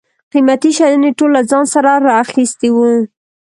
قیمتي شیان یې ټول له ځان سره را اخیستي و.